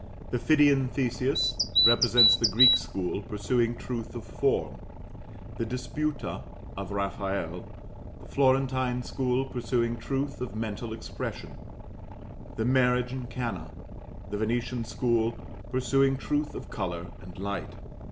The Phidian "Theseus" represents the Greek school pursuing truth of form; the "Disputa" of Raphael, the Florentine school pursuing truth of mental expression; the "Marriage in Cana," the Venetian school pursuing truth of colour and light.